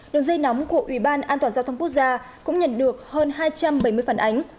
đường dây nóng của ủy ban an toàn giao thông quốc gia cũng nhận được hơn hai trăm bảy mươi phản ánh